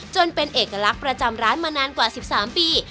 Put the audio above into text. จนเป็นเอกลักษณ์ประจำร้านมานานกว่า๑๓ปี